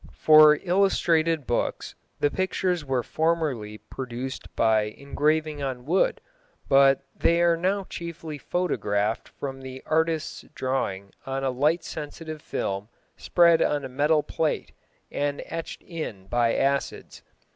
For illustrated books the pictures were formerly produced by engraving on wood, but they are now chiefly photographed from the artist's drawing on a light sensitive film spread on a metal plate, and etched in by acids.